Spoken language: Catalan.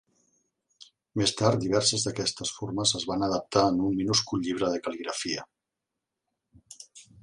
Més tard, diverses d'aquestes formes es van adaptar en un minúscul llibre de cal·ligrafia.